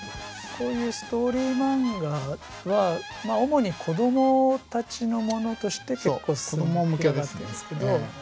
こういうストーリーマンガは主に子どもたちのものとして結構盛り上がったんですけど。